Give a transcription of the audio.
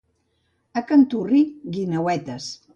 A Canturri, guineuetes.